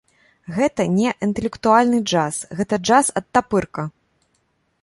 Гэта не інтэлектуальны джаз, гэта джаз-адтапырка!